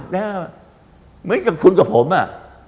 แล้วเหมือนกับคุณกับผมอ่ะ